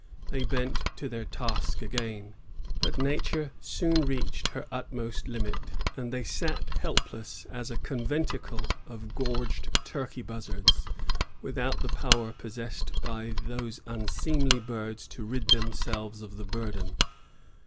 They bent to their task again; but Nature soon reached her utmost limit, and they sat helpless as a conventicle of gorged turkey buzzards, without the power possessed by those unseemly birds to rid themselves of the burden.